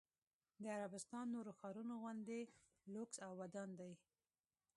د عربستان نورو ښارونو غوندې لوکس او ودان دی.